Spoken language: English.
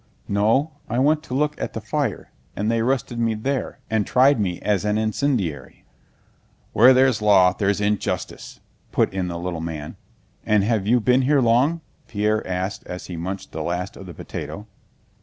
"No, I went to look at the fire, and they arrested me there, and tried me as an incendiary." "Where there's law there's injustice," put in the little man. "And have you been here long?" Pierre asked as he munched the last of the potato.